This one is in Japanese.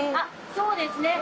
そうですね。